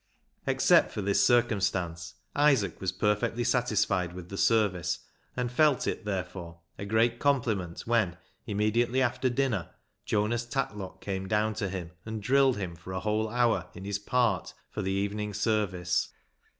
Except for this circumstance, Isaac was per fectly satisfied with the service, and felt it, therefore, a great compliment when, immediately after dinner, Jonas Tatlock came down to him, and drilled him for a whole hour in his part for the evening service.